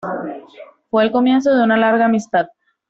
Fue el comienzo de una larga amistad.